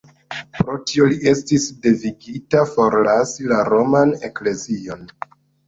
Pro tio li estis devigita forlasi la roman eklezion.